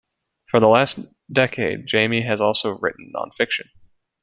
For the last decade Jamie has also written non-fiction.